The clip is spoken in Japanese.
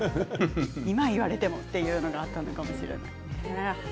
今、言われてもというのがあったのかもしれないですね。